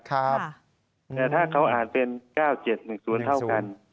แต่ถ้าเขาอ่านเป็น๙๗๑๐เท่ากัน